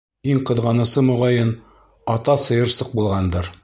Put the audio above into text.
Иң ҡыҙғанысы, моғайын, ата сыйырсыҡ булғандыр.